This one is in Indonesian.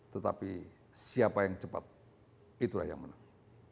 tetapi siapa yang cepat itulah yang menang